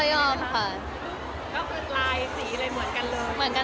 ไม่เห็นอนาคตนาแดดเลยนะคะถ้ายอมขนาดนั้น